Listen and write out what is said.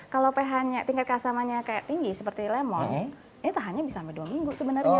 kalau ph nya tingkat keasamannya kayak tinggi seperti lemon ini tahannya bisa sampai dua minggu sebenarnya